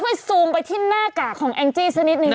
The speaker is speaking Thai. ซูมไปที่หน้ากากของแองจี้สักนิดนึง